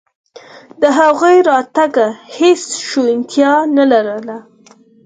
د هغوی راتګ هېڅ شونتیا نه لرله.